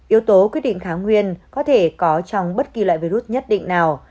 yếu tố quyết định kháng nguyên có thể có trong bất kỳ loại virus nhất định nào